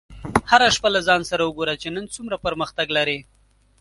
هره شپه له ځان سره وګوره چې نن څومره پرمختګ لرې.